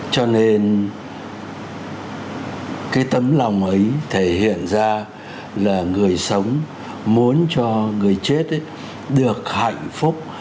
cho nên cái tấm lòng ấy thể hiện ra là người sống muốn cho người chết được hạnh phúc